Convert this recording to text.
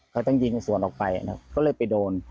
เขาต้องยิงสวนออกไปก็เลยไปโดน